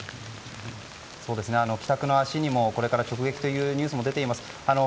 帰宅の足にもこれから直撃というニュースも出ています。